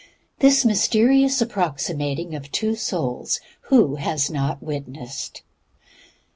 This mysterious approximating of two souls, who has not witnessed?